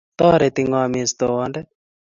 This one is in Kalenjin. Toreti ng'o Mestowondet